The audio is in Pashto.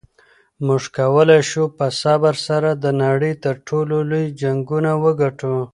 موږ کولی شو په صبر سره د نړۍ تر ټولو لوی جنګونه وګټو.